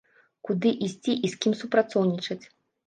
Куды ісці і з кім супрацоўнічаць?